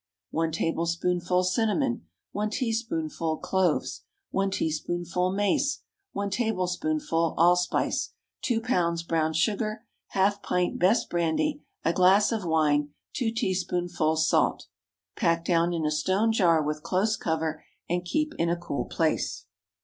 1 tablespoonful cinnamon. 1 teaspoonful cloves. 1 teaspoonful mace. 1 tablespoonful allspice. 2 lbs. brown sugar. Half pint best brandy. A glass of wine. 2 teaspoonfuls salt. Pack down in a stone jar, with close cover, and keep in a cool place.